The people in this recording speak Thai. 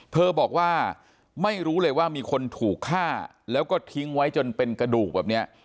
เธอบอกว่าไม่รู้เลยว่ามีคนถูกฆ่าแล้วก็ทิ้งไว้จนเป็นกระดูกแบบนี้